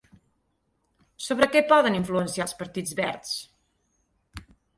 Sobre què poden influenciar els partits verds?